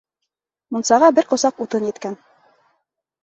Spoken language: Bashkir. Мунсаға бер ҡосаҡ утын еткән.